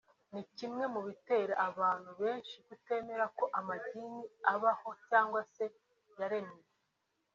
ni kimwe mu bitera abantu benshi kutemera ko amagini abaho cyangwa se yaremwe